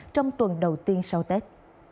trong tuần đầu tiên sau tết